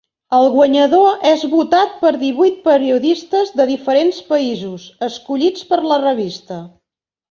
El guanyador és votat per divuit periodistes de diferents països, escollits per la revista.